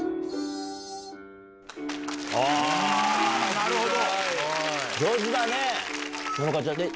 なるほど！